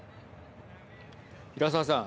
平沢さん。